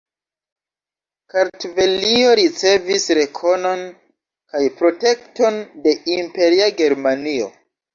Kartvelio ricevis rekonon kaj protekton de Imperia Germanio.